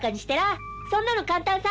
そんなの簡単さ。